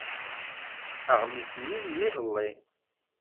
Aɣmis-nni n yiḍelli.